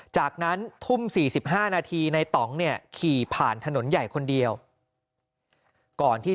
จากนั้นทุ่ม๔๕นาทีในต่องเนี่ยขี่ผ่านถนนใหญ่คนเดียวก่อนที่